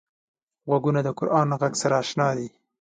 غوږونه د قران غږ سره اشنا دي